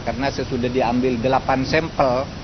karena sesudah diambil delapan sampel